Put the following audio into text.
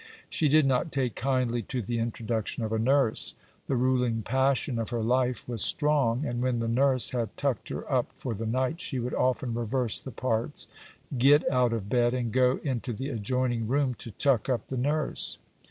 She did not take kindly to the introduction of a nurse. The ruling passion of her life was strong; and when the nurse had tucked her up for the night, she would often reverse the parts, get out of bed and go into the adjoining room to tuck up the nurse.